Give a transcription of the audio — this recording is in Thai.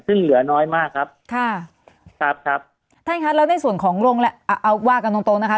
ซึ่งเหลือน้อยมากครับค่ะครับครับท่านคะแล้วในส่วนของโรงแรมเอาว่ากันตรงตรงนะคะ